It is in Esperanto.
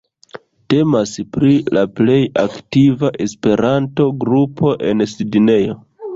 Temas pri la plej aktiva Esperanto-grupo en Sidnejo.